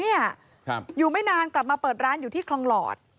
อยู่ไม่นานกลับมาเปิดร้านอยู่ที่คลองหลอด